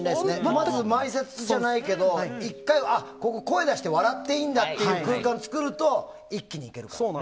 まず前説じゃないけど１回、ここ声を出して笑っていいんだという空間を作ると一気に行けるから。